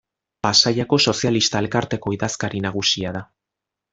Pasaiako Sozialista Elkarteko idazkari nagusia da.